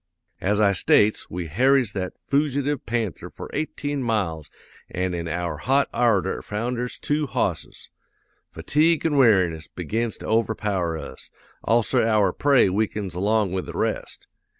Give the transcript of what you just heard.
"'As I states, we harries that foogitive panther for eighteen miles an' in our hot ardor founders two hosses. Fatigue an' weariness begins to overpower us; also our prey weakens along with the rest.